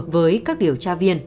với các điều tra viên